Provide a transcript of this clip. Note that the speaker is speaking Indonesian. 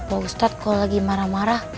pak ustaz kau lagi marah marah